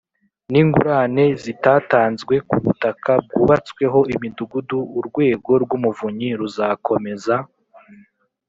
n ingurane zitatanzwe ku butaka bwubatsweho imidugudu Urwego rw Umuvunyi ruzakomeza